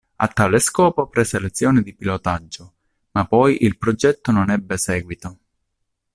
A tale scopo prese lezioni di pilotaggio, ma poi il progetto non ebbe seguito.